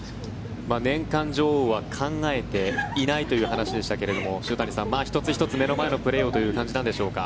年間女王は考えていないという話でしたけれども塩谷さん、１つ１つ目の前のプレーをという感じなんでしょうか。